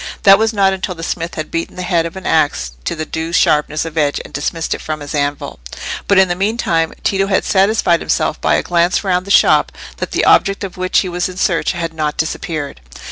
That was not until the smith had beaten the head of an axe to the due sharpness of edge and dismissed it from his anvil. But in the meantime Tito had satisfied himself by a glance round the shop that the object of which he was in search had not disappeared.